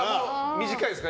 短いですか。